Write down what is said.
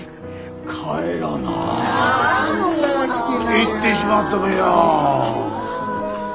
行ってしまったべや。